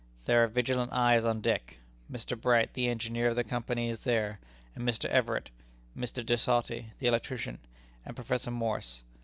There are vigilant eyes on deck. Mr. Bright, the engineer of the Company, is there, and Mr. Everett, Mr. De Sauty, the electrician, and Professor Morse.